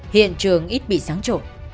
hiện trường ít bị sáng trộn